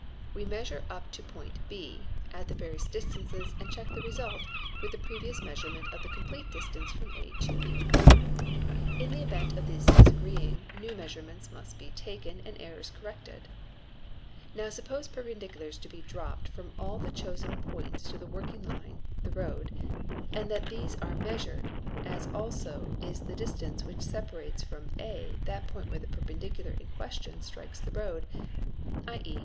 We measure up to point 6, add the various distances, and check — the result with the previous measurement of the complete distance fror 7 atob. In the event of these disagreeing new measurements must bh ~~" at ~ n SKETCH OF PORTION OF COUNTRY 467 taken and errors corrected. Now suppose perpendiculars to be dropped from all the chosen points to the working line (the road) and that these ave measured, as also is the distance which separates from a that point where the perpendicular in question strikes the road, 7.e.